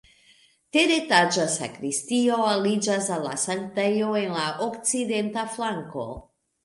Teretaĝa sakristio aliĝas al la sanktejo en la okcidenta flanko.